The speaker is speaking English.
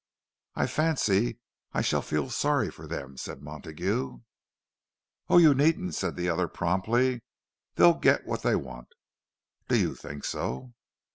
'" "I fancy I shall feel sorry for them," said Montague. "Oh, you needn't," said the other, promptly. "They'll get what they want." "Do you think so?"